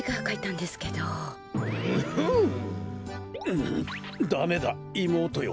んん「ダメだいもうとよ。